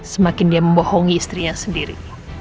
semakin dia membohongi istrinya sendiri